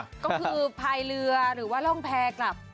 ก็คือพายเรือหรือว่าร่องแพรกลับ